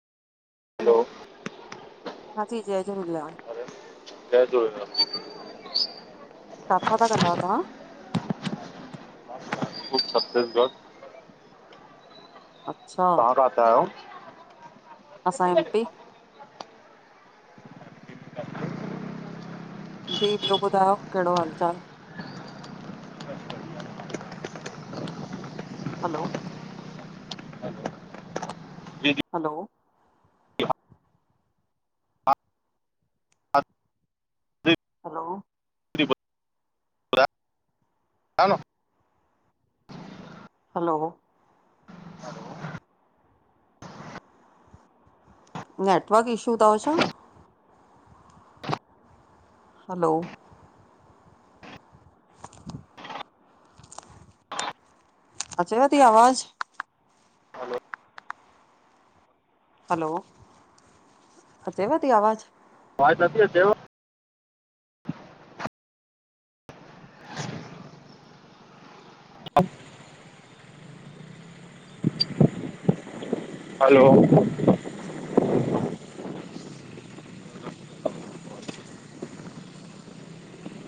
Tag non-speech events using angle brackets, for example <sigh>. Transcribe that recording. हलो, hello हा जी जय झूलेलाल। जय झूलेलाल। किथां ता ॻाल्हायो तां? ख़ूब छत्तीसगढ़। हा, तव्हां किथे आहियो? असां एमपी। जी ॿियो ॿुधायो, कहिड़ो हालु चाल? हलो, हलो, जी हलो, जी हलो, हलो, नेटवर्क इशू तव छा? हलो, <inaudible> अचेव ती आवाज़? हलो, हलो, अचेव ती आवाज़? आवाज नथी अचेव? खाली जवाब <inaudible> हलो,